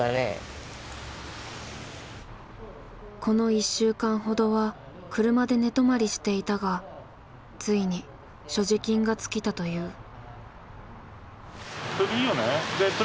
この１週間ほどは車で寝泊まりしていたがついに所持金が尽きたという。